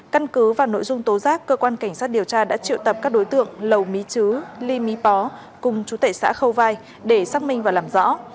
căn cứ vào nội dung tố giác cơ quan cảnh sát điều tra đã triệu tập các đối tượng lầu mí chứ ly mí pó cùng chú tệ xã khâu vai để xác minh và làm rõ